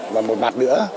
và một mặt nữa